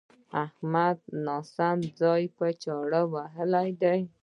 احمد ښه سم ځان په چاړه وهلی دی.